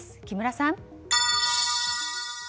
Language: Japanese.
木村さん。